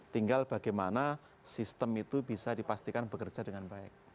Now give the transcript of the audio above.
tinggal bagaimana sistem itu bisa dipastikan bekerja dengan baik